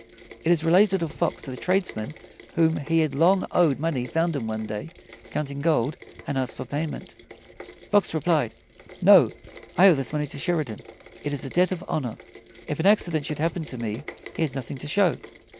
It is related of Fox that a tradesman whom he long had owed money found him one day counting gold and asked for payment. Fox replied: "No; I owe this money to Sheridan. It is a debt of honor. If an accident should happen to me, he has nothing to show."